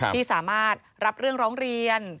ที่สามารถรับเรื่องร้องเรียน